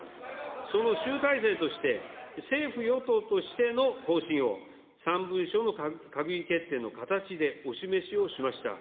その集大成として政府・与党としての方針を３文書の閣議決定の形でお示しをしました。